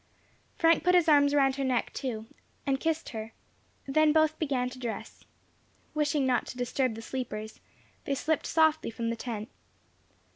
Frank put his arms round her neck, also, and kissed her; then both began to dress. Wishing not to disturb the sleepers, they slipped softly from the tent.